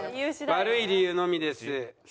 悪い理由のみです。